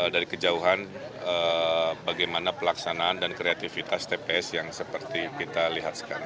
dari kejauhan bagaimana pelaksanaan dan kreativitas tps yang seperti kita lihat sekarang